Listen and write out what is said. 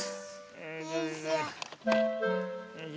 よいしょ。